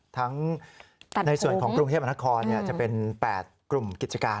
ในส่วนของกรุงเทพมนครจะเป็น๘กลุ่มกิจการ